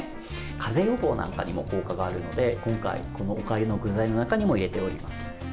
かぜ予防なんかにも効果があるので今回このおかゆの具材の中にも入れております。